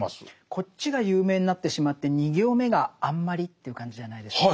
こっちが有名になってしまって２行目があんまりという感じじゃないでしょうか。